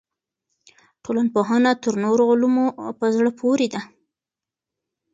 ټولنپوهنه تر نورو علومو په زړه پورې ده.